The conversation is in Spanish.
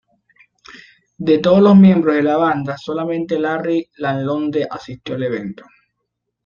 De todos los miembros de la banda, solamente Larry LaLonde asistió al evento.